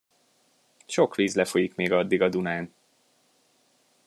Sok víz lefolyik még addig a Dunán.